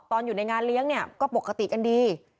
ตอนอยู่ในงานเลี้ยงก็ปกติกันดี